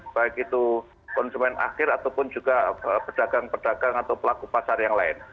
baik itu konsumen akhir ataupun juga pedagang pedagang atau pelaku pasar yang lain